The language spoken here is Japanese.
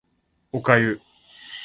お粥